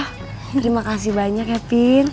terima kasih banyak ya pin